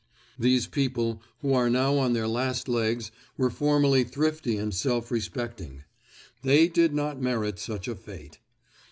These people, who are now on their last legs, were formerly thrifty and self respecting. They did not merit such a fate.